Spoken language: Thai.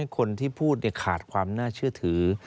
คนที่พูดขาดความน่าเชื่อถือ